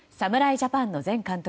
ジャパンの前監督